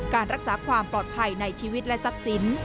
การรักษาความปลอดภัยในชีวิตและทรัพย์สิน